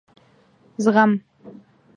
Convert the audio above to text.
زغم ....